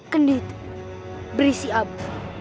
kendih itu berisi abu